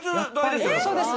そうです。